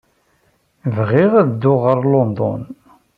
Bɣiɣ ad dduɣ ɣer London.